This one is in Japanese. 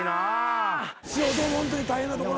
師匠どうもホントに大変なところ。